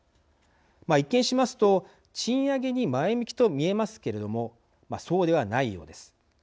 一見しますと賃上げに前向きと見えますけれどもそうではないようです。